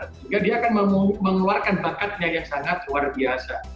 sehingga dia akan mengeluarkan bakatnya yang sangat luar biasa